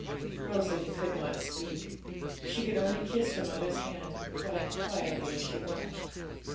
Rosalie could not speak; she could only kiss her mother's hand, and cry quietly as she watched.